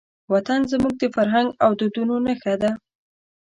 وطن زموږ د فرهنګ او دودونو نښه ده.